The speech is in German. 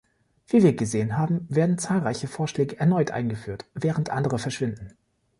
Wie wir gesehen haben, werden zahlreiche Vorschläge erneut eingeführt, während andere verschwinden.